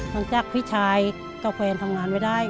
ตั้งจากพี่ชายเก้าเพลงทำงานไม่ได้